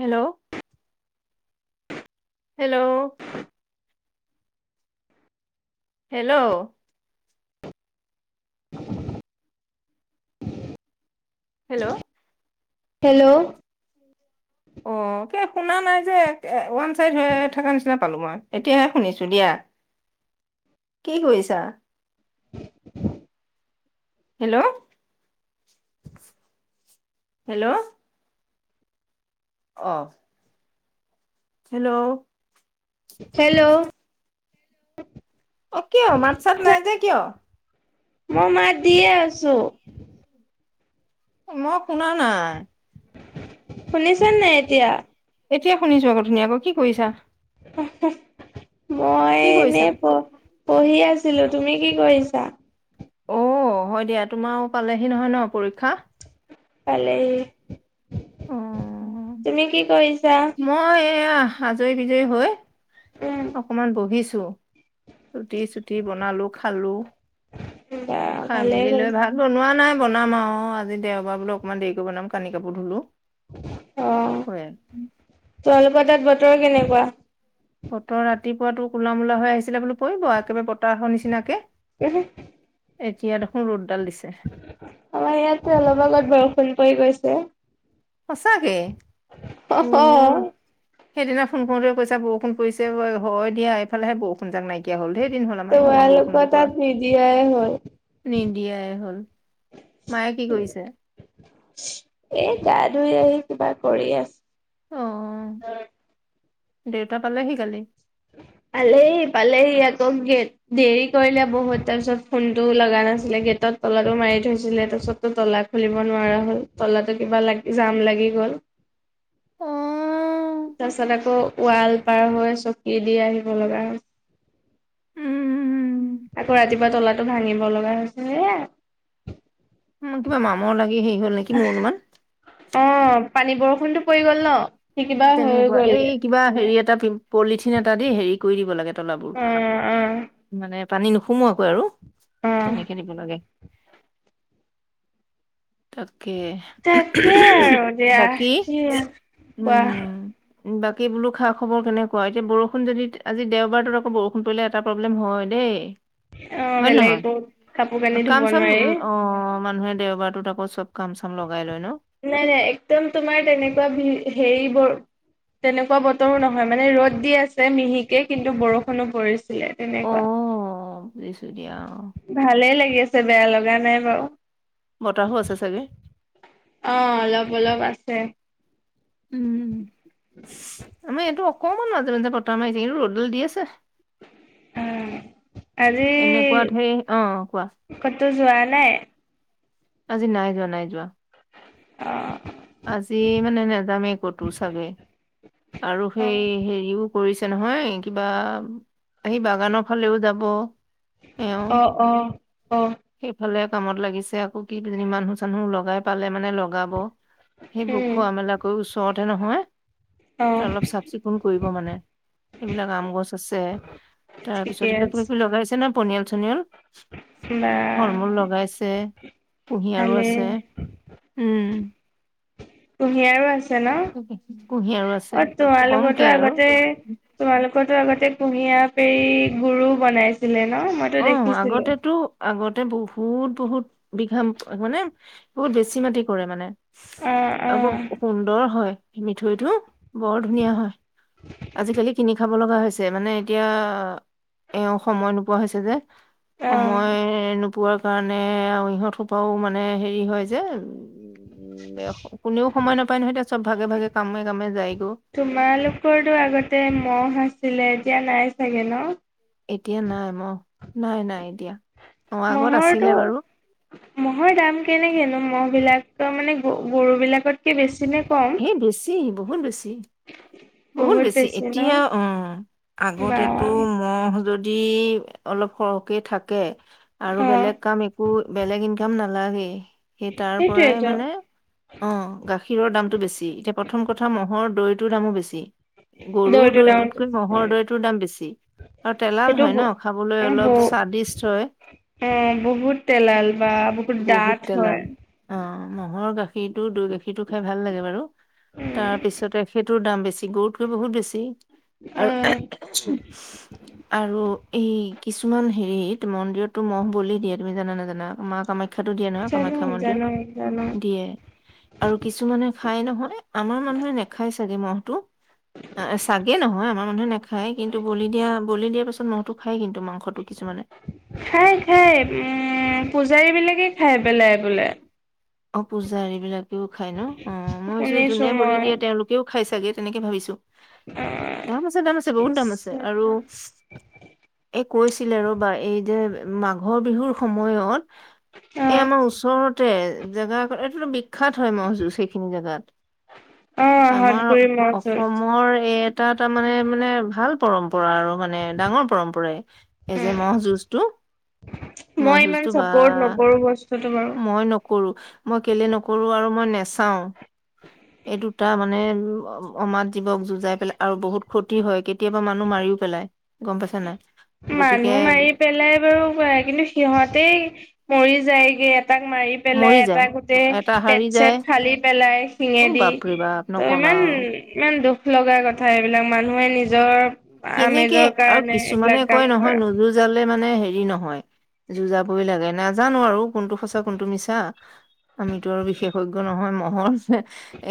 Hello hello hello hello hello অ শুনা নাই যে ওৱান চাইদ হৈ থকা নিচিনা পালো মই এতিয়াহে শুনিছো দিয়া কি কৰিছা হেল্ল' হেল্ল' অ হেল্ল' হেল্ল' অ কিয় মাত চাত নাই যে কিয় মই মাত দিয়ে আছো। মই শুনা নাই। শুনিছেনে নাই এতিয়া? এতিয়া শুনিছো আকৌ ধুনীয়াকৈ। কি কৰিছা? [unintelligible] মই কি কৰিছা এনে প পঢ়ি আছিলো তুমি কি কৰিছা? অ' হয় দিয়া তোমাৰো পালেহি নহয় ন পৰীক্ষা। পালেহি? অ তুমি কি কৰি- মই এয়া আজৰি বিজয়ী হৈ উম অকনমান বহিছো। ৰুটি চুতি বনালো খালো। বা খাই ভালেই মেলি লৈ কৰিছা ভাত বনোৱা নাই। বনাম আৰু আজি দেওবাৰ বোলো অকনমান দেৰিক বনাম কানি কাপোৰ ধুলো। অ তোমালোকৰ [inaudible] [unintelligible] কেনেকুৱা? বতৰ ৰাতিপুৱাাতো কোলা মোলা হৈ আহিছিলে বো পৰিব একেবাৰে তৰ নিচিনাকে এতিয়া দেখোন ৰ' আমাৰ ইয়াতে অলপ আগত বৰষুণ পৰি গৈছে। সঁচাকে অ আহ সেইদিনা ফোন কৰোতে কৈা বৰষুণ পৰিছে হয় দিয়া এইফালেহে বৰষুণ যাক নাইকিয়া হ'ল ধঢৰ দিন হ'ল আমাৰ এইফালে বৰষুণ তোমালোকৰ নোপোৱা তাত নিদিয়াই হ'ল নিদিয়াই হ'ল। মায়ে কি কৰিছে? এ গা ধুই আহি কিবা কৰি আছো। অ দেউতা পালেহি কালি। পালে পালেহ আকৌ গেট দেৰি কৰিলে বহুত তাৰপিছত ফোনতটো লগা নাছিলে গেটত ত তলাটো মাৰি থৈছিলে তাৰপিছততো তলা খুলিব নোৱাৰা হল তলা কিবা লাগ জাম লাগি গ'ল। অ' তাৰপাছত আকৌ ৱাল পাৰ হৈ চকী দি আহিব লগা হয়। উম আকৌ ৰাতিপুৱা তলাটো ভাঙিব লগা হৈছে হে উম, কিবা মামৰ লাগি হেৰি হ'ল নেকি মোৰ অনুমান। অ পানী, বৰষুণতো পৰি গ'ল ন। সি কিবা হৈ তেনেকুৱা, এই গ'লগে কিবা হেৰি এটা পিম পলিথিন এটা দি হেৰি কৰি দিব লাগে তলাবোৰ, অ অ মানে পানী নুসুমোৱাকৈ আৰু অ তেনেকে দিব লাগে। তাত তাকে আৰু দিয়া। বাকী কি [unintelligible] কোৱা উম বাকী বোলো খা-খবৰ কেনেকুৱা? এতিয়া বৰষুণ যদি আজি দেওবাৰটোত আকৌ বৰষুণ পৰিলে এটা প্ৰব্লেম হয় দেই। অ হয়নে বেলেগ নহয়? একো কাপোৰ কানি অ', ধুব কাম-চাম নোৱাৰি অ' মানুহে দেওাবাৰটোত আকৌ চব কাম চাম লগাই লয় ন নাই, নাই। একদম তোমাৰ তেনেকুৱা বিহে-হেৰি তেনেকুৱা বতৰো নহয়। মানে ৰ'দ দি আছে মিহিকে, কিন্তু বৰষুণো পৰিছে। ছিলে অ তেনেকুৱা, বুজিছো দিয়া অ ভালেই লাগি আছে, বেয়া লগা নাই। [unintelligible] বতাহো আছে চাগে? অ', অলপ অলপ আছে। উম আমাৰ এইটো অকমান মাজে-মাজে বতাহ মাৰি আছে, কিন্ত ৰ'দাল দি আছে। আজি এনেকুৱাত হেই, অ', কোৱা। ক'তো যোৱা নাই? আজি নাই যোৱা, নাই যোৱা। অ'। আজি মানে নেযামেই কতো চাগে আৰু সেই হেৰিও কৰিছে নহয় কিবা আহি বাগানৰ ফালেও যাব এওঁ অ অ অ সেইফালে কামত লাগিছে আকৌ কি কিজানি মানুহ চানুহ লগাই পালে মানে লগাব। সেইবোৰ উম খোৱা মেলাকৈ ওচৰতেহে নহয়, অ তে অলপ চাফ-চিকুণ কৰিব মানে। এইবিলাক আম গছ আছে, তাৰ ঠিকে পিছত এইবিলাক কিবা আছে কিবি লগাইছে নহয় পনিয়ল-চনিয়ল, বা ফলমূল লগাইছে কুঁহিয়াৰো ভালেই আছে, উম কুঁহিয়াৰো আছে আছে কুঁহিয়াৰো ন? আছে অ' কমকে তোমালোকৰতো আৰু আগতে তোমালোকৰ ৰতো আগতে কুঁহিয়াৰ পেৰি গুৰু বনাইছিলে। ন মইতো অ' দেখিছিলো আগতেতো আগতে তে বহুত বহুত বিঘা মানে বহুত বেছি মাটি কৰে মানে অ অ আৰু বৰ সুন্দৰ হয় মিঠৈটো, বৰ ধুনীয়া হয়। আজিকালি কিনি খাব লগা হৈছে মানে এতিয়া এওঁ সময় নোপোৱা হৈছে যে। অ সময় নোপোৱাৰ কাৰণে আৰু ইহঁত সোপাও মানে হেৰি হয় যে কোনেও সময় নাপায় নহয় এতিয়া চব ভাগে ভাগে কামে কামে যায়গৈ। তোমালোকৰটো আগতে ম'হ আছিলে এতিয়া নাই চাগে ন? এতিয়া নাই ম'হ, নাই নাই এতিয়া, অ' আগত আছিলে মহৰটো বাৰু। ম'হৰ দাম কেনেকেনো ম'হ বিলাকো মানে গ গৰু বিলাকতকে বেছি নে কম হে বেছি বহুত বেছি। বহুত বেছি এতিয়া অ' বা আগতেতো ম'হ যদি অলপ সৰহকে থাকে আৰু অ বেলেগ কাম একো বেলেগ ইনকাম না নালাগেই। সেই তাৰ পৰাই সেইটোৱেতো মানে অ' গাখীৰৰ দামতটো বেছি। এতিয়া প্ৰথম কথা ম'হৰ দৈ দৈটোৰ দামো বেছি। গৰুৰ দৈটো দাম দৈটোতকৈ ম'হৰ দৈটোৰ দাম বেছি। আৰু তেলাল সেইটো হয় ব ন খাবলৈ অলপ ব স্বাদিষ্ট হয়। অ', বহুত তেলাল বা বহুত ডাঠ তেলাল হয়। অ' ম'হৰ গাখীৰ গাখীৰটো দৈ গাখীৰটো খাই ভাল লাগে বাৰু, তাৰ পিছতে সেইটোৰ দাম বেছি। গৰুতকৈ বহুত বেছি আৰু অ', আৰু এই কিছুমান হেৰিত মন্দিৰটো ম'হ বলি দিয়ে তুমি জানা নাজানা মা কামাখ্যা টো দিয়ে নহয় জানো কামাখ্যা মন্দিৰত, জানো জানো দিয়ে, আৰু কিছুমানে খাই নহয় আমাৰ মানুহে নেখাই চাগে মহটো। অ চাগে নহয় আমাৰ মানুহে নাখায় কিন্তু বলি দিয়া বলি দিয়া পিছত মহটো খায়। কিন্তু মাংসটো কিছুমানে খায় খায়, উম পূজাৰী বিলাকে খাই পেলাই বোলে। অ' পূজাৰী বিলাকেও খাই ন অ' মই ভাবিছো শুনিছো যোনে বলি মই দিয়ে তেওঁলোকেও খাই চাগে তেনেকে ভাবিছো। অ', দাম আছে দাম আছে বহুত ইচ দাম আছে আৰু এক কৈছিলে ৰ'বা এই যে মাঘৰ বিহুৰ সময়ত এ অ', আমাৰ ওচৰতে জেগা আকৌ এইফালে বি বিখ্যাত হয় ম'হ যুঁজ সেইখিনি জেগাত। অ', হত আমাৰ গুৰি মহ যুঁজ অসমৰ এই এটা তাৰমানে মানে ভাল পৰম্পৰা আৰু মানে ডাঙৰ পৰম্পৰাই এই উম, যে ম'হ যুঁজটো ম'হ মই ইমান যুঁজটো বা চাপৰ্ট নকৰো বস্তুটো বাৰু। মই ন নকৰো, মই কেলে নকৰো আৰু মই নেচাও এই দুটা মানে অমাত জীৱক যুঁজাই পেলাই আৰু বহুত ক্ষতি হয় কেতিয়াবা মানুহ মাৰি ও পেলাই গম পাইছা নে নাই? গতিকে মানুহ মাৰি পেলাই বাৰু পাৰে কিন্তু সিহঁতে মৰি যাইগে। এটাক মাৰি পেলাই, মৰি যায় এটাক গোতে এটা হাৰি যায় পেট-চেট ফালি পেলাই অ শিঙেদি বাপৰে বাপ ত নকবা ইমান আৰু ইমান দুখ লগা কথা এইবিলাক মানুহে নিজৰ কেনেকে আমেজৰ আৰু কাৰণে কিছুমানে এইবিলাক কাম কয় নহয় কৰা নোযু জালে মানে হেৰি নহয় যুঁজাবই লাগে নাজানো আৰু কোনটো সঁচা, কোনটো মিছা। আমিতো আৰু বিশেষজ্ঞ নহয় মহৰ।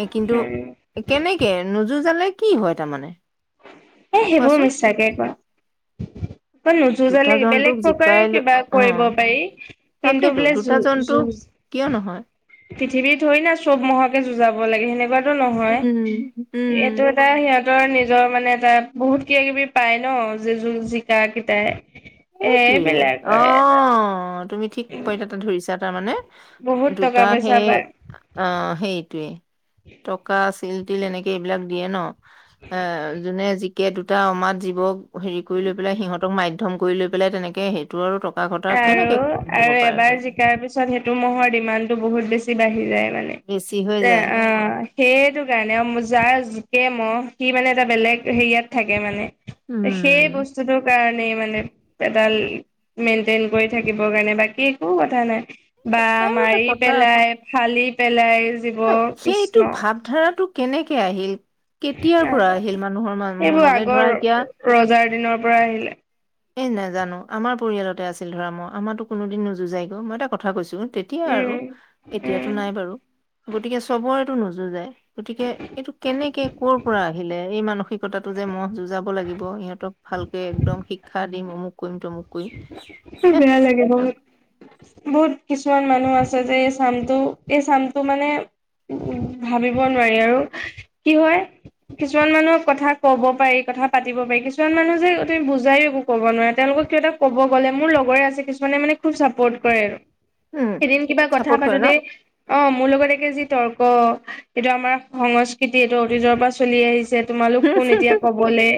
এ কিন্তু উম কেনেকে নুযুজালে কি হয় তাৰমানে? এ সেইবোৰ কোৱাচোন মিছাকে কয়। দুটা জন্তুক জিকাই লৈ কিবা কৰিব আহ পাৰি কিন্তু তাকেইেতো বোলে দুটা যু জন্তুক যুঁজ কিয় নহয়? পৃথিৱীত থৰি না চব ম- মহহকে যুজাব লাগে সেনেকুৱা নহয় উম উম এইটো এটা সিহত ৰ নিজৰ মানে এটা বহুত কিবা কিবি পাই ন? যিযোৰ জিকা কেইটাই। সেইটোৱে এইবিলাক এটা অ', তুমি ঠিক পইটা ধৰিছা তাৰমানে বহুত দুটা টকা সেই পইচা পায় অ', সেৰিটোৱে। টকা চিল তিল এনেকে এইবিলাক দিয়ে ন এ যোনে যি কে দুটা অমাত জীৱক হেৰি কৰি লৈ পেলাই সিহঁতক মাধ্যম কৰি লৈ পেলাই তেনেকৈ সেইটো আৰু ঘটা কেনেকে হ'ব আৰু-আৰু পাৰে এবাৰ সেইটো জিকাৰ পিছত সেইটো মহৰ ডিমাণ্ডটো বহুত বেছি বাঢ়ি যায় মানে বেছি হৈ এ যায় অ', সেইটো কাৰণে যাৰ জিকে মহ সি মানে এটা বেলেগ হেৰিয়াত থাকে মানে সেই উম বস্তুটোৰ কাৰণে মানে পেডাল মেইনটেইন কৰি থাকিবৰ কাৰণে, বাকী একো কথা নাই। বা আৰু এটা মাৰি কথা পেলাই ফালি পেলাই জীৱ সেইটো কৃষ্ণ ভাৱধাৰাটো কেনেকে আহিল কেতিয়াৰ পৰা আহিল নাজানো। মানুহৰ এইবোৰ ম-মনলৈ ধৰা আগৰ এতিয়া? ৰজাৰ দিনৰ পৰা আহিলে এ নেজানো আমাৰ পৰিয়ালতে আছিল ধৰা ম'হ। আমাৰো কোনোদিন নুযুজাই গৈ মই এটা কথা কৈছো। তেতিয়া আৰু উম উম এতিয়াতো নাই বাৰু গতিকে চবৰেটো নুজুযায়। গতিকে এইটো কেনেকে কৰ পৰা আহিলে? এই মানুহ টো যে ম'হ যুঁজাব লাগিব ইহঁতক ভালকে একদম শিক্ষা দিম অমুক কৰিম তমুক কৰিম হেহ বেয়া লাগে এইবিলাক বহুত-বহুত। কিছুমান মানুহ আছে যে এই চামটো এই চামটো মানে উ-উ ভাবিব নোৱাৰি আৰু কি হয় কিছুমান মানুহক কথা কব পাৰি, কথা পাতিব পাৰি, কিছুমান মানুহ যে তুমি বুজাইও একো ক'ব নোৱাৰে তেওঁলোকক কিয় এটা ক'ব গ'লে মোৰ লগৰে আছে কিছুমানে মানে খুব চাপৰ্ট কৰে আৰু। উম এদিন কিবা কথা চাপৰ্ট কৰে ন পাতোতে, অ', মোৰ লগতে যি তৰ্ক, এইটো আমাৰ সংস্কৃতি এইটো অতীতৰ পৰা চলি আহিছে। তোমালোক কোন এতিয়া কবলে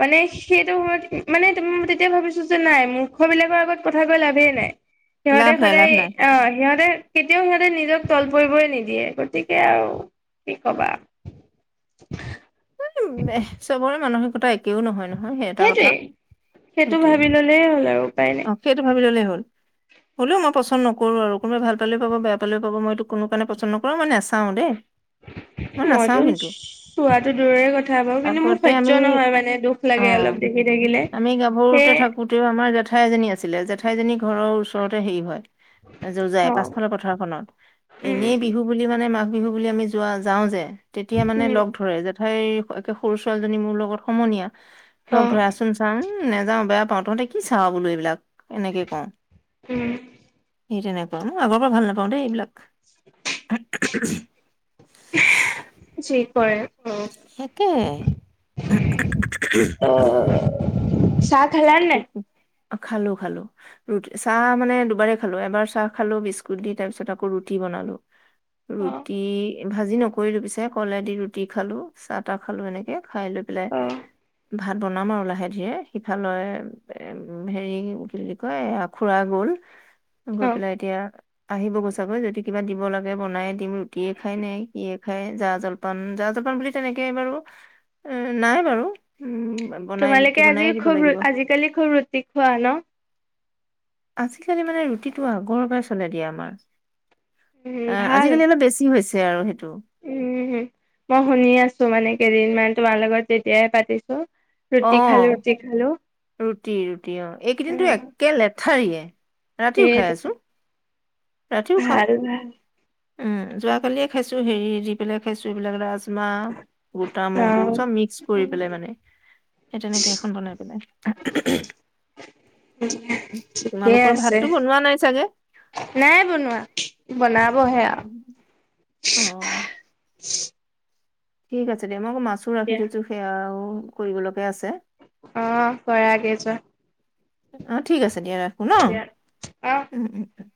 মানে সেইটো সময়ত মানে তম- তেতিয়া ভাবিছো যে নাই। মূৰ্খ বিলাকৰ আগত কথা কৈ লাভেই নাই সিহঁতে লাভ নাই লাভ সদায় নাই অ', সিহঁতে কেতিয়াও সিহঁতে নিজক তল পৰিবই নিদিয়ে, গতিকে আৰু কি কবা। কথা একেও নহয় ন সেই এটা কথা সেইটোৱে সেইটো সেইটোৱে ভাবি ললেই হ'ল আৰু উপায় নাই অ', সেইটো ভাবি ললেই হ'ল। হ'লেও মই পচন্দ নকৰো আৰু কোনোবাই ভাল পালেও পাব, বেয়া পালেও পাব মইতো কোনো কাৰণে পচন্দ নকৰো, মই নাচাও দেই। মই নাচাওঁ মইতো কিন্তু চোৱাতটো দূৰৰে কথা বাৰু কিন্তু মোক আগতে আমি সহ্য নহয় মানে দুখ অ লাগে অলপ দেখি থাকিলে সেয়ে জেঠাইজনী আছিলে, জেঠাইজনী ঘৰৰ ওচৰতে হেৰি হয়। যুজায় অ' পাছফালৰ পথাৰখনত উম, এনেই বিহু বুলি মানে মা বিহু বুলি আমি যোৱা যাওঁ যে, তেতিয়া মানে উম, লগ ধৰে জেঠাই একে সৰু ছোৱালীজনী মোৰ লগত সমনীয়া ধৰক অ', ধৰাচোন চাওঁ নেযাও বেয়া ত- তহঁতে কি চাহ বোলো এইবিলাক। এনেকে কওঁ উম। সেই তেনেকুৱা মই আগৰ পৰা ভাল নাপাওঁ দেই এইবিলাক। [inaudible] যি কৰে অ', সেকে চাহ খালানে না? খালো-খালো ৰু চাহ মানে দুবাৰে খালো এবাৰ চাহ খালো বিস্কুট দি তাৰ পিছত আকৌ ৰুটি বন। নালো। অ', ৰুটি ভাজি নকৰিলো পিছে কলেদি ৰুটি খালো চাহ তাহ খালো এনেকে। খাই লৈ পেলাই অ', ভাত বনাম আৰু লাহে ধীৰে সিফালৰ এ হেৰি কি কয় খুৰা গল। গৈ পেলাই এতিয়া আহিব গৈচাগৈ যদি কিবা দিব লাগে বনাইে দিম ৰুটিয়ে খাই নাই সে খাই জা জলপান জা জলপান বুলি তেনেকে বাৰু এ নাই বাৰু উম, বনাই ৰুটি তোমালোকে আজি বনায়ে দিব খুব লাগিব আজিকালি খুব ৰুটি খোৱা ন। আজিকালি মানে ৰুটিটো আগৰ পৰাই চলোই দিয়ে আমাৰ, উম, অ' ভাল আজিকালি অলপ বেছি হৈছে আৰু সেই উম, মই শুনি আছো মানে কেইদিনমান তোমাৰ লগত তেতিয়াই পাতিছো, ৰুটি খালো, ৰুটি খালো। ৰুটি-ৰুটি অ' এইকেইদিনতো অ', একে লেথাৰিয়ে ৰাতিও খাই সেইটো আছো ৰাতিও খাওঁ ভাল ভাল। উম, যোৱাকালিয়ে খাইছো হেৰি দি পেলাই খাইছো এইবিলাক। মাহ গোটা মগু অ', চব মিক্স কৰি পেলাই মানে সেই তেনেকে এখন বনাই পেলাই। [inaudible] ঠিকে তোমালোকৰ আছে ভাতটো বনোৱা নাই চাগে? নাই বনোৱা। বনাবহে আৰু। অ' ঠিক আছে দে মই আকৌ মাছো ৰাখি দিয়া থৈছো সেয়াও কৰিব লাগ অ' কৰা। অ' ঠিক আছে দিয়া ৰাখো ন দিয়া অ'। উম-উম,